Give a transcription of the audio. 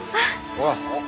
ほら。